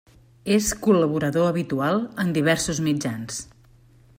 És col·laborador habitual en diversos mitjans.